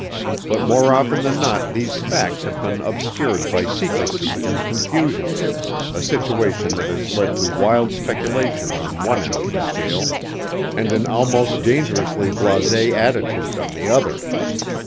But more often than not these facts have been obscured by secrecy and confusion, a situation that has led to wild speculation on one end of the scale and an almost dangerously blas? attitude on the other.